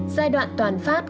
giai đoạn toàn phát